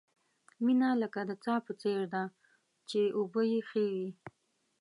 مینه لکه د څاه په څېر ده، چې اوبه یې ښې وي.